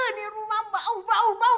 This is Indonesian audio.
ini rumah bau bau bau